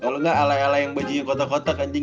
kalo ngga ala ala yang bajunya kotak kotak anjing